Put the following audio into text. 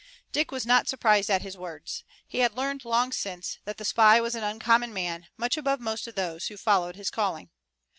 Dick was not surprised at his words. He had learned long since that the spy was an uncommon man, much above most of those who followed his calling.